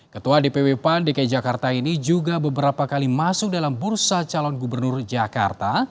ketua dpw pan dki jakarta ini juga beberapa kali masuk dalam bursa calon gubernur jakarta